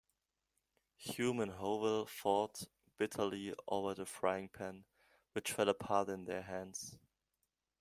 Hume and Hovell fought bitterly over the frying-pan, which fell apart in their hands.